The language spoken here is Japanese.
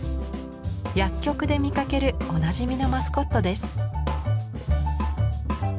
薬局で見かけるおなじみのマスコットです。